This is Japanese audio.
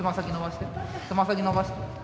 つま先のばして。